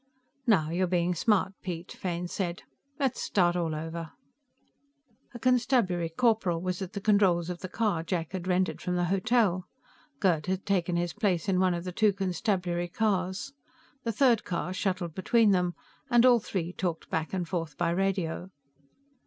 "Now you're being smart, Piet," Fane said. "Let's start all over...." A constabulary corporal was at the controls of the car Jack had rented from the hotel: Gerd had taken his place in one of the two constabulary cars. The third car shuttled between them, and all three talked back and forth by radio.